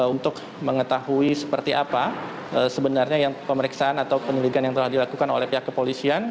untuk mengetahui seperti apa sebenarnya yang pemeriksaan atau penyelidikan yang telah dilakukan oleh pihak kepolisian